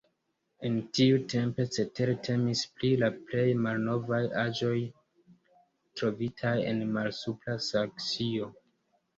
En tiu tempo cetere temis pri la plej malnovaj aĵoj trovitaj en Malsupra Saksio.